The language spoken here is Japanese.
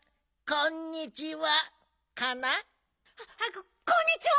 こっこんにちは！